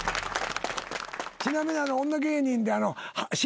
ちなみに女芸人でしらき。